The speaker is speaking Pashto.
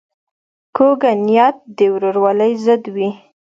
کوږه نیت د ورورولۍ ضد وي